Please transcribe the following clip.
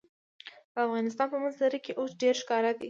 د افغانستان په منظره کې اوښ ډېر ښکاره دی.